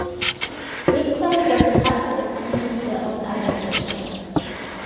Winkler was an activist Minister of Agriculture.